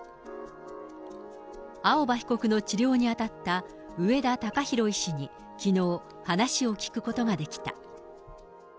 青葉被告の治療に当たった上田敬博医師に、きのう、話を聞くことができた。